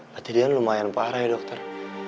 jadi dia lumayan parah ya dokter